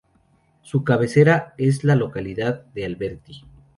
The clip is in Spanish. Su cabecera es la localidad de Alberti.